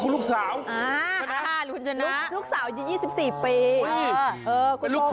ลูกสาวของคุณ๒๔ปี